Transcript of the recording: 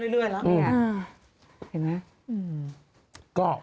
เห็นไหม